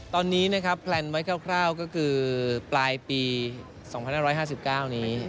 ตอนนี้นะครับแพลนไว้คร่าวก็คือปลายปี๒๕๕๙นี้